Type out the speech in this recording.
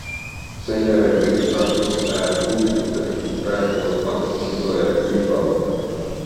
Seejärel lõika ka kõhuäär kuubikuteks ning prae koos maksa, sibula ja küüslauguga.